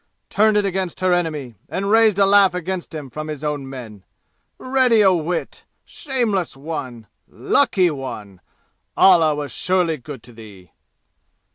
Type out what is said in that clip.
Turned it against her enemy and raised a laugh against him from his own men! Ready o' wit! Shameless one! Lucky one! Allah was surely good to thee!"